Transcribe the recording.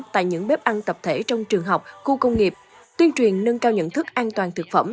tại những bếp ăn tập thể trong trường học khu công nghiệp tuyên truyền nâng cao nhận thức an toàn thực phẩm